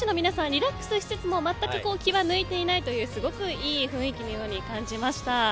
リラックスしつつもまったく気は抜いていないといういい雰囲気のように感じました。